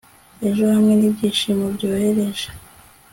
Ejo hamwe nibyishimo byoroheje